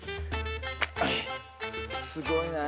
すごいね。